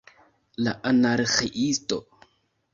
La Anarĥiisto!